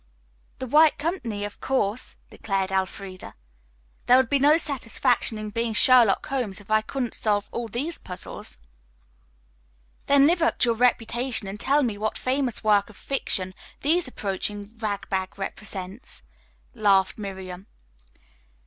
"The 'White Company,' of course," declared Elfreda. "There would be no satisfaction in being 'Sherlock Holmes' if I couldn't solve all these puzzles." "Then live up to your reputation and tell me what famous work of fiction this approaching rag bag represents," laughed Miriam.